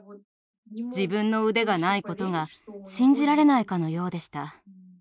自分の腕がないことが信じられないかのようでした。